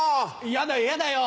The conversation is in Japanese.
嫌だよ嫌だよ。